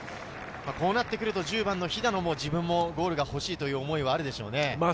こうなってくると肥田野も自分もゴールが欲しいという思いはあるでしょうね。